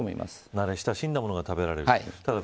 慣れ親しんだものが食べられる。